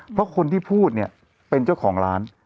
เพราะคนที่พูดเนี่ยเป็นเจ้าของร้าน